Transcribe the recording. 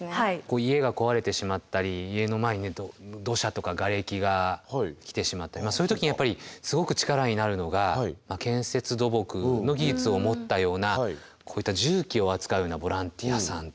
家が壊れてしまったり家の前に土砂とかがれきが来てしまったりそういう時にやっぱりすごく力になるのが建設土木の技術を持ったようなこういった重機を扱うようなボランティアさんということになります。